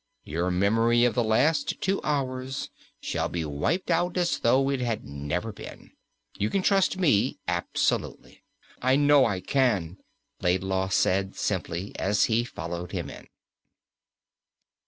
Your memory of the last two hours shall be wiped out as though it had never been. You can trust me absolutely." "I know I can," Laidlaw said simply, as he followed him in.